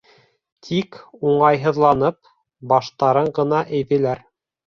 Тик, уңайһыҙланып, баштарын ғына эйҙеләр.